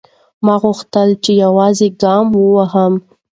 ما غوښتل چې یوازې قدم ووهم.